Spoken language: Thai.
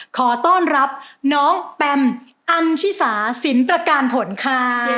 ขอต้อนรับน้องแปมอันชิสาสินประการผลค่ะ